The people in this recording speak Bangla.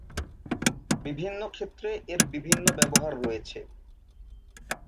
বিভিন্ন ক্ষেত্রে এর বিভিন্ন ব্যবহার রয়েছে।